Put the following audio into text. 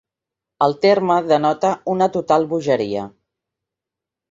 El terme denota una total bogeria.